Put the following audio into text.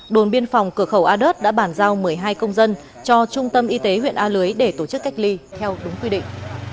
đồn biên phòng cửa khẩu a đớt đã bản giao một mươi hai công dân cho trung tâm y tế huyện a lưới để tổ chức cách ly theo đúng quy định